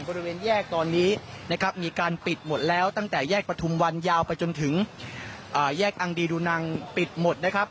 บริเวณแยกตอนนี้นะครับมีการปิดหมดแล้วตั้งแต่แยกประทุมวันยาวไปจนถึงแยกอังดีดูนังปิดหมดนะครับ